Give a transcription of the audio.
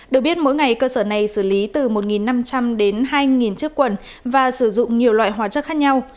được biết mỗi ngày cơ sở này xử lý từ một năm trăm linh đến hai chiếc quần và sử dụng nhiều loại hóa chất khác nhau